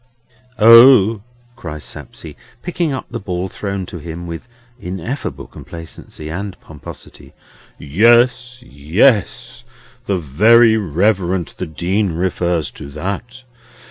"O!" cries Sapsea, picking up the ball thrown to him with ineffable complacency and pomposity; "yes, yes. The Very Reverend the Dean refers to that?